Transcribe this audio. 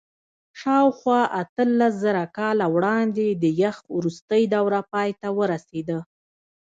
شاوخوا اتلسزره کاله وړاندې د یخ وروستۍ دوره پای ته ورسېده.